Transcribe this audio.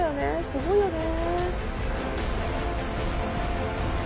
すごいよね。